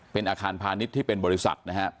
เป็นอาคารพาณิชย์ที่เป็นบริษัทนะครับ